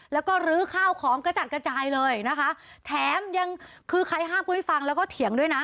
แล้วก็ลื้อข้าวของกระจัดกระจายเลยนะคะแถมยังคือใครห้ามก็ไม่ฟังแล้วก็เถียงด้วยนะ